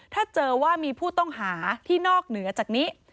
ถ้าเจอว่ามีผู้ต้องหาที่นอกเหนือจากนี้